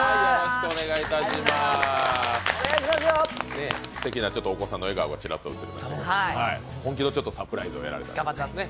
すてきなお子さんの笑顔がチラッと映りましたが本気のサプライズをやられてます。